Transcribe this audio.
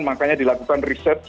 makanya dilakukan riset